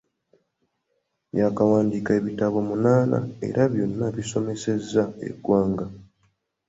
Yaakawandiika ebitabo munaana era byonna bisomesezza eggwanga.